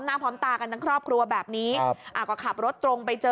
หน้าพร้อมตากันทั้งครอบครัวแบบนี้ครับอ่าก็ขับรถตรงไปเจอ